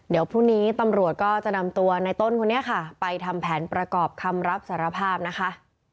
เดี๋ยวพรุ่งนี้ตำรวจก็จะนำตัวในต้นคนนี้ค่ะไปทำแผนประกอบคำรับสารภาพนะคะ